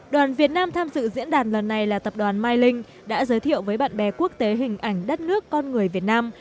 đoàn việt nam tham dự diễn đàn lần này là tập đoàn mylink đã giới thiệu với bạn bè quốc tế hình ảnh đất nước con người việt nam